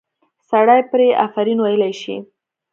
سړی پرې آفرین ویلی شي.